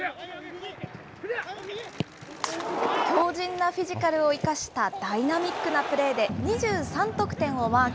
強じんなフィジカルを生かしたダイナミックなプレーで、２３得点をマーク。